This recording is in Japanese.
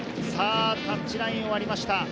タッチラインを割りました。